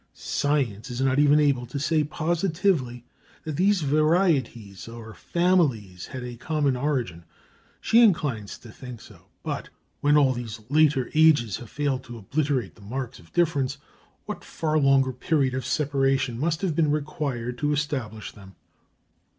Science is not even able to say positively that these varieties or families had a common origin. She inclines to think so; but when all these later ages have failed to obliterate the marks of difference, what far longer period of separation must have been required to establish them!